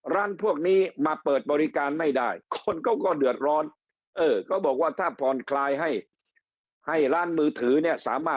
ร้านพวกนี้มาเปิดบริการไม่ได้คนก็เดือดร้อนก็บอกว่าถ้า